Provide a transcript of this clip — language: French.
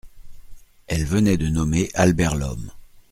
Elle venait de nommer Albert Lhomme.